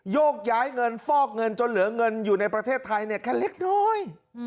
โยกย้ายเงินฟอกเงินจนเหลือเงินอยู่ในประเทศไทยเนี่ยแค่เล็กน้อย